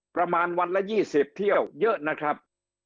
ประมาณวันละ๒๐เที่ยวเยอะนะครับ